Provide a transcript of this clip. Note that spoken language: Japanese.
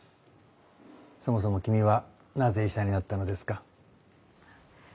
そもそも君はなぜ医者になったのですか？